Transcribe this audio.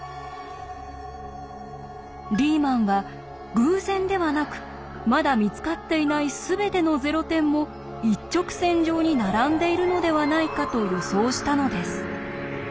リーマンは偶然ではなくまだ見つかっていない全てのゼロ点も一直線上に並んでいるのではないかと予想したのです。